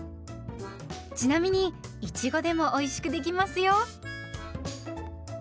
ちなみにいちごでもおいしくできますよ。